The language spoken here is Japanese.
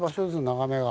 眺めが。